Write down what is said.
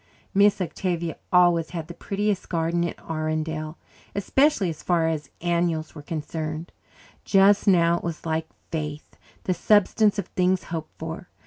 Miss Octavia always had the prettiest garden in Arundel, especially as far as annuals were concerned. Just now it was like faith the substance of things hoped for.